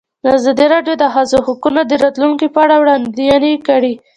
ازادي راډیو د د ښځو حقونه د راتلونکې په اړه وړاندوینې کړې.